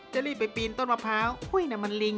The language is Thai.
จะรีบไปปีนต้นมะพร้าวอุ้ยนั่นมันลิง